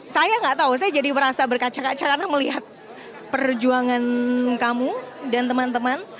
saya nggak tahu saya jadi merasa berkaca kaca karena melihat perjuangan kamu dan teman teman